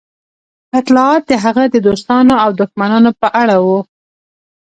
اطلاعات د هغه د دوستانو او دښمنانو په اړه وو